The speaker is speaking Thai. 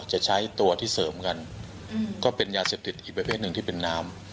จะใช้ตัวที่เสริมกันก็เป็นยาเสพติดอีกประเภทหนึ่งที่เป็นน้ำ